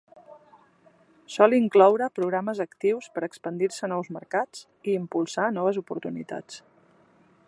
Sol incloure programes actius per expandir-se a nous mercats i impulsar noves oportunitats.